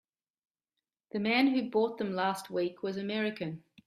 The man who bought them last week was American.